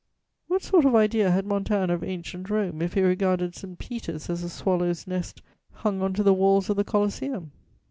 What sort of idea had Montaigne of Ancient Rome, if he regarded St. Peter's as a swallow's nest, hung on to the walls of the Coliseum?